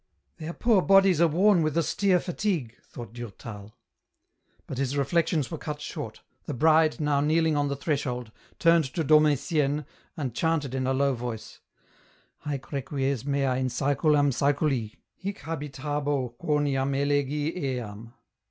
" Their poor bodies are worn with austere fatigue," thought Durtal. But his reflections were cut short, the bride, now kneeling on the threshold, turned to Dom Etienne and chanted in a low voice, —" Haec requies mea in saeculum saeculi : Hie habitabo quoniam elegi eam."